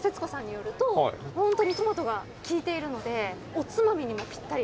「ホントにトマトがきいているのでおつまみにもぴったり。